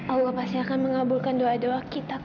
allah pasti akan mengabulkan doa doa kita